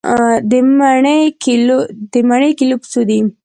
د مڼې کيلو په څو دی؟